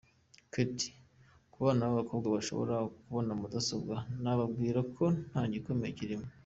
Ketia: Ku bana b’abakobwa bashobora kubona mudasobwa, nababwira ko nta gikomeye kirimo.